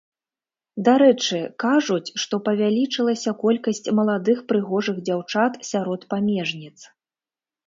Дарэчы, кажуць, што павялічылася колькасць маладых прыгожых дзяўчат сярод памежніц.